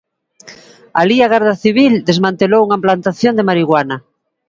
Alí a Garda Civil desmantelou unha plantación de marihuana.